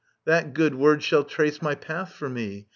That good word shall trace My path for me